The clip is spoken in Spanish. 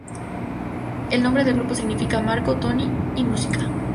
El nombre del grupo significa Marco, Tony y Música.